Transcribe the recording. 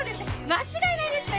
間違いないですって。